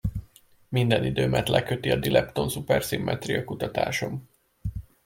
Minden időmet leköti a dilepton-szuperszimmetria kutatásom.